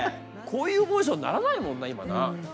こういうモーションにならないもんな今な。